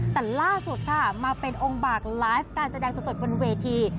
แต่ล่าสุดค่ะมาเป็นองค์บากไลฟ์การแสดงสดบนเวที